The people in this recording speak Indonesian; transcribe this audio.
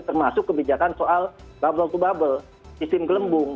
termasuk kebijakan soal bubble to bubble sistem gelembung